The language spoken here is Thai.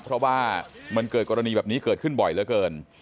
เพราะว่ามันเกิดกรณีแบบนี้เกิดขึ้นบ่อยเหลือเกิน